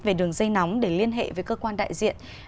về đường dây nóng để liên hệ với cơ quan đại diện